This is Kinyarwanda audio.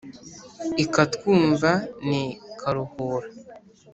ikatwumva n'i karuhura.